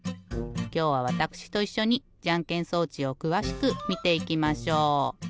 きょうはわたくしといっしょにじゃんけん装置をくわしくみていきましょう。